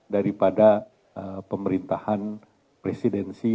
dari pada pemerintahan presidensi